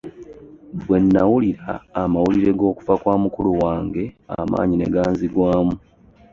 Bwenawulira amawulire g'okufa kwa mukulu wange amaanyi ne ganzigwaamu.